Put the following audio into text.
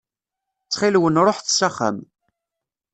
Ttxil-wen ruḥet s axxam.